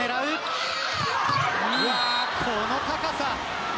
この高さ。